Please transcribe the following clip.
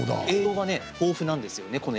栄養が豊富なんですね。